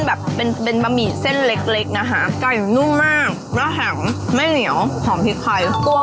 แค่ไข่ก็น่ากินแล้วอ่ะ